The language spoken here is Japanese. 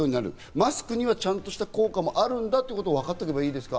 マスクにはちゃんとした効果があることを分かっておけばいいですか？